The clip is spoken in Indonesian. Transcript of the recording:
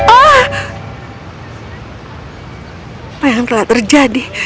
apa yang telah terjadi